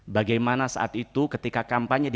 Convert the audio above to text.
bagaimana saat itu ketika kampanye di